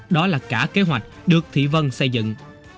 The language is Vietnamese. đó là cả kế hoạch được thị vân xây dựng